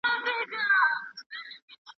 هر انسان یو نوی فکر او یو نوی شخصیت لري.